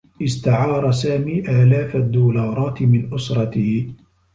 استعار سامي آلاف الدّولارات من أسرته.